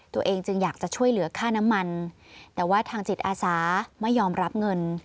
ตัวเองจึงอยากจะช่วยเหลือค่าน้ำมันแต่ว่าทางจิตอาสาไม่ยอมรับเงิน